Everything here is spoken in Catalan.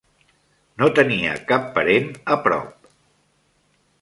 No tenia cap parent a prop.